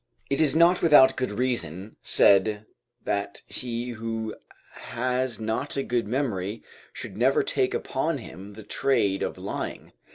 It is not without good reason said "that he who has not a good memory should never take upon him the trade of lying."